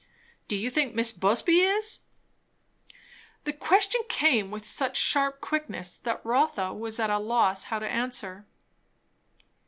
"Do you think Mis' Busby is?" The question came with such sharp quickness that Rotha was at a loss how to answer.